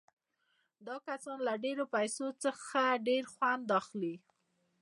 دا کسان له ډېرو پیسو څخه ډېر خوند اخلي